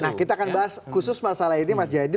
nah kita akan bahas khusus masalah ini mas jayadi